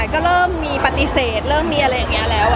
ก็เริ่มมีปฏิเสธเริ่มมีอะไรอย่างนี้แล้ว